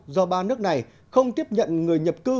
do ba nước này không tiếp nhận người nhập cư